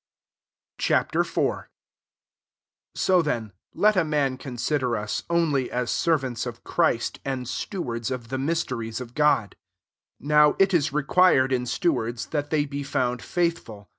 Ch. IV. 1 So thetty let a man consider us, only as servants of Christ, and stewards of the mysteries of God. 2 Now it is required in stewards that they be found faithful.